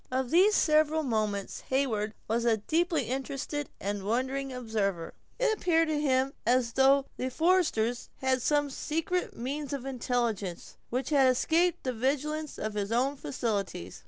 Of these several moments Heyward was a deeply interested and wondering observer. It appeared to him as though the foresters had some secret means of intelligence, which had escaped the vigilance of his own faculties.